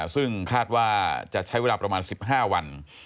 ซึ่งคาดว่าจะใช้เวลาประมาณ๑๕วัน